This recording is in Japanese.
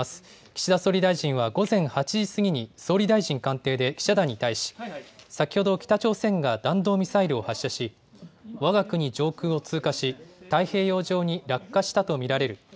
岸田総理大臣は午前８時過ぎに総理大臣官邸で記者団に対し先ほど北朝鮮が弾道ミサイルを発射し、わが国上空を通過し太平洋上に落下したと見られる。